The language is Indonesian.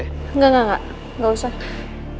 engga engga engga gak usah